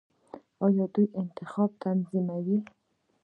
آیا دوی انتخابات نه تنظیموي؟